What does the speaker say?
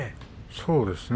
そうですね。